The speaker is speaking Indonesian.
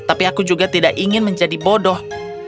tapi aku juga tidak ingin menjadi bodoh